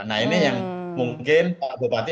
nah ini yang mungkin pak bupati